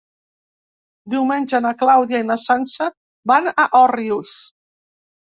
Diumenge na Clàudia i na Sança van a Òrrius.